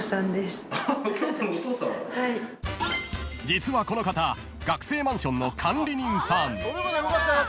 ［実はこの方学生マンションの管理人さん］